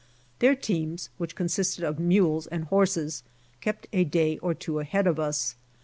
Their teams, which consisted of mules and horses, kept a day or two ahead of us.